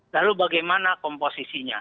lalu bagaimana komposisinya